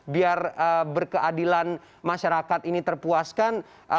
biar berkeadilan masyarakat ini terpuaskan